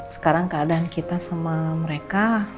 sekarang keadaan kita sama mereka